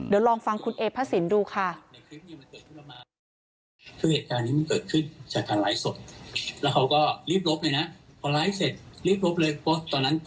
เดี๋ยวลองฟังคุณเอพฤศิลป์ดูค่ะ